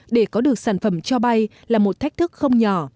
để có được sản phẩm cho bay là một thách thức không nhỏ